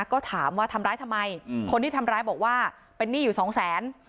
ก็ถามว่าทำร้ายทำไมคนที่ทำร้ายบอกว่าเป็นหนี้อยู่สองแสน